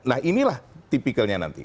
nah inilah tipikalnya nanti